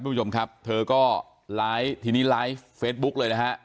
ผู้ชมครับเธอก็ไลฟ์ทีนี้ไลฟ์เฟซบุ๊กเลยนะฮะ